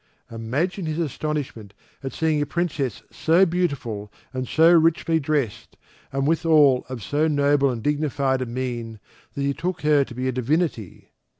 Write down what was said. Imagine his astonishment at seeing a Princess so beautiful and so richly dressed, and withal of so noble and dignified a mien, that he took her to be a divinity.